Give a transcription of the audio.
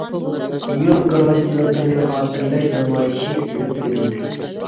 ئىيۇل قىرغىنچىلىقىنى خاتىرىلەش نامايىشى ئېلىپ بېرىلدى.